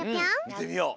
みてみよう！